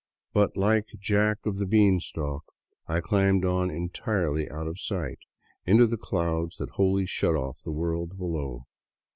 But like Jack of the Beanstalk, I climbed on entirely out of sight — into the clouds that wholly shut off the world below.